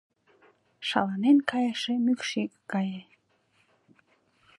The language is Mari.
Шаланен кайыше мӱкшиге гае